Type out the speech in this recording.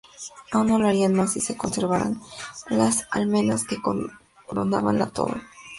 Aún lo haría más si se conservaran las almenas que coronaban la torre.